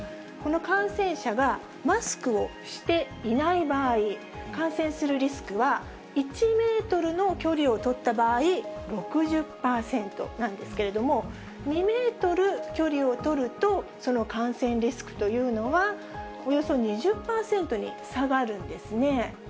この感染者が、マスクをしていない場合、感染するリスクは、１メートルの距離を取った場合、６０％なんですけれども、２メートル距離を取ると、その感染リスクというのは、およそ２０％に下がるんですね。